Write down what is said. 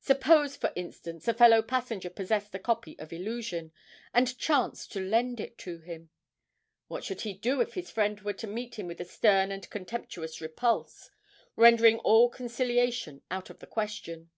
Suppose, for instance, a fellow passenger possessed a copy of 'Illusion,' and chanced to lend it to him what should he do if his friend were to meet him with a stern and contemptuous repulse, rendering all conciliation out of the question?